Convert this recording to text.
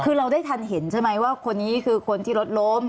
คือเราได้ทันเห็นใช่ไหมว่าคนนี้คือคนที่รถล้ม